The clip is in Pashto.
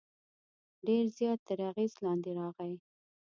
ډېر زیات تر اغېز لاندې راغی.